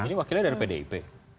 ini wakilnya dari pdip